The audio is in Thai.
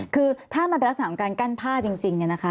คือถ้ามันเป็นสถานการณ์กั้นผ้าจริงนะคะ